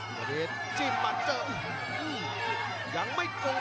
ประโยชน์ทอตอร์จานแสนชัยกับยานิลลาลีนี่ครับ